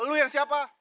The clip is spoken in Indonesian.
lu yang siapa